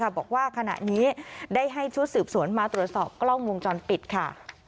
บอกว่าขณะนี้ได้ให้ชุดสืบสวนมาตรวจสอบกล้องวงจรปิดค่ะ